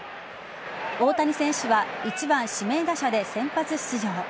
大谷選手は１番・指名打者で先発出場。